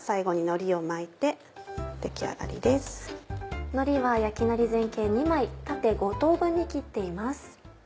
のりは焼きのり全形２枚縦５等分に切っています。